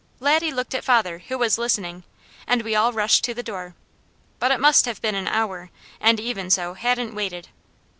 Laddie looked at father, who was listening, and we all rushed to the door, but it must have been an hour, and Even So hadn't waited.